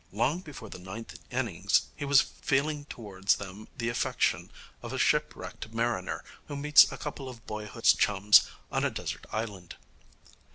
Long before the ninth innings he was feeling towards them the affection of a shipwrecked mariner who meets a couple of boyhood's chums on a desert island.